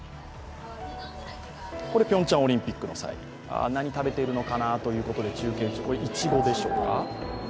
ピョンチャンオリンピックの際、何を食べているのかなということでこれ、いちごでしょうか。